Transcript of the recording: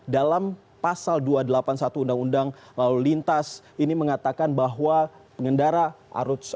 dalam pasal dua ratus delapan puluh satu undang undang lalu lintas ini mengatakan bahwa pengendara harus